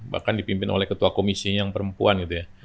bahkan dipimpin oleh ketua komisi yang perempuan gitu ya